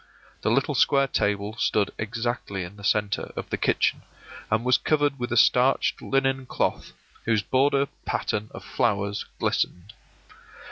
The little square table stood exactly in the centre of the kitchen, and was covered with a starched linen cloth whose border pattern of flowers glistened.